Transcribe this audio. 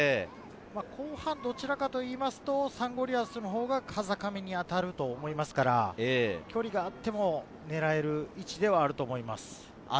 後半、どちらかといいますと、サンゴリアスのほうが風上に当たると思いますから、距離があっても狙える位置ではあると思います。